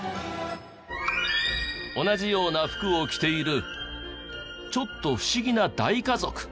同じような服を着ているちょっと不思議な大家族。